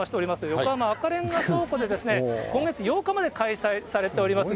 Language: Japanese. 横浜赤レンガ倉庫で、今月８日まで開催されております。